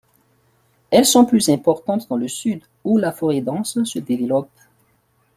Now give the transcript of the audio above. Elles sont plus importantes dans le sud où la forêt dense se développe.